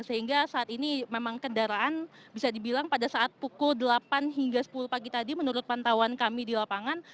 sehingga saat ini memang kendaraan bisa dibilang pada saat pukul delapan hingga sepuluh pagi tadi menurut pantauan kami di lapangan